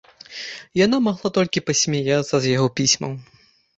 Яна магла толькі пасмяяцца з яго пісьмаў.